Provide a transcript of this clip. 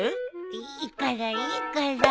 いいからいいから。